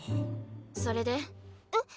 それで？え？